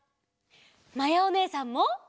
まやおねえさんも。